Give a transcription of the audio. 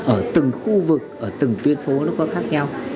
ở từng khu vực ở từng tuyến phố nó có khác nhau